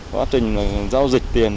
quá trình giao dịch tiền